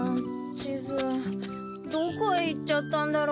地図どこへ行っちゃったんだろう？